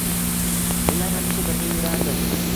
Ular hamisha birga yurardi